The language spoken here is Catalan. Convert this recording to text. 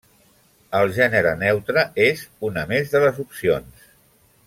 El gènere neutre és una més de les opcions.